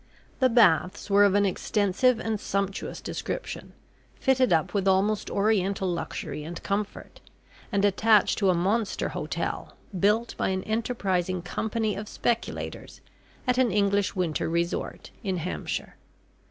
The Baths were of an extensive and sumptuous description fitted up with almost oriental luxury and comfort, and attached to a monster hotel, built by an enterprising Company of speculators, at an English winter resort, in Hampshire.